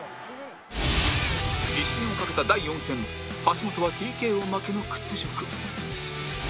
威信を懸けた第４戦橋本は ＴＫＯ 負けの屈辱